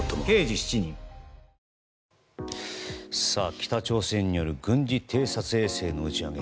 北朝鮮による軍事偵察衛星の打ち上げ。